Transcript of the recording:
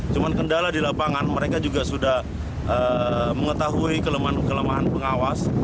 cuman kendala di lapangan mereka juga sudah mengetahui kelemahan kelemahan pengawas